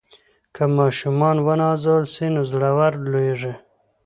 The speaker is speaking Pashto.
که ماشومان ونازول سي نو زړور لویېږي.